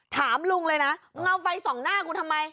ถามลุงเลยนะมึงเอาไฟส่องหน้ากูทำไม